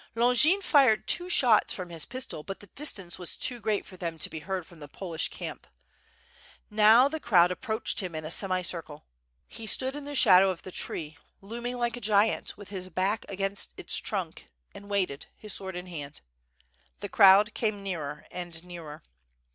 Longin flred two shots from his pistol, but the distance was too great for them to be heard from the Polish camp. Now the crowd approached him in a semi circle, he stood in the shadow of the tree, looming like .a giant, with his back against its trunk, and waited, his sword in his hand. The crowd came nearer and nearer.